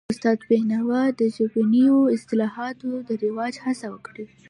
استاد بینوا د ژبنیو اصطلاحاتو د رواج هڅه وکړه.